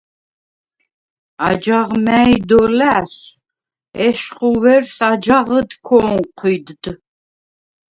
აჯაღ მა̄̈ჲ დო ლა̈სვ, ეშხუ ვერს აჯაღჷდ ქო̄ნჴვიდდ.